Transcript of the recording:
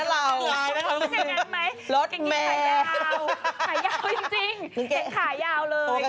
ตองหาเกงขายาวเลย